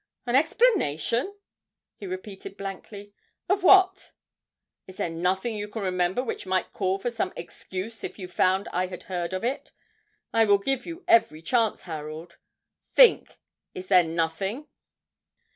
'An explanation!' he repeated blankly; 'of what?' 'Is there nothing you can remember which might call for some excuse if you found I had heard of it? I will give you every chance, Harold. Think is there nothing?'